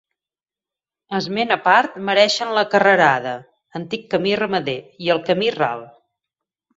Esment a part mereixen la Carrerada, antic camí ramader, i el Camí Ral.